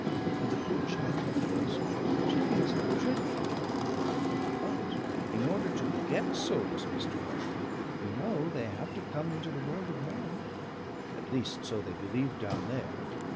And the poor child feels it. She feels it dreadfully. But in order to get souls, Mr. Melville, you know they have to come into the world of men. At least so they believe down there.